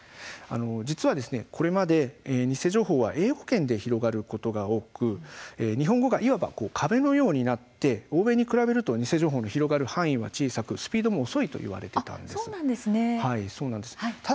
実はこれまで偽情報は英語圏で広がることが多く日本語がいわば壁のようになって欧米に比べると偽情報の広がる範囲は小さくスピードも遅いといわれていました。